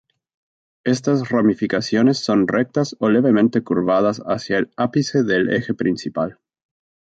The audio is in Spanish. Estas ramificaciones son rectas o levemente curvadas hacia el ápice del eje principal.